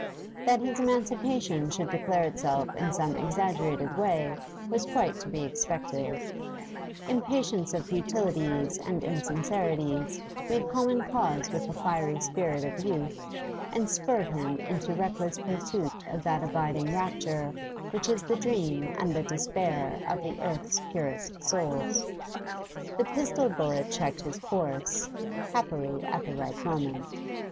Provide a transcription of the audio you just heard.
That his emancipation should declare itself in some exaggerated way was quite to be expected: impatience of futilities and insincerities made common cause with the fiery spirit of youth and spurred him into reckless pursuit of that abiding rapture which is the dream and the despair of the earth's purest souls. The pistol bullet checked his course, happily at the right moment.